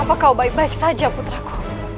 apakah kau baik baik saja puteraku